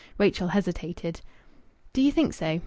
Rachel hesitated. "Do you think so?...